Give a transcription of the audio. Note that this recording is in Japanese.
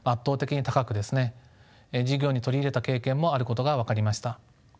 授業に取り入れた経験もあることが分かりました。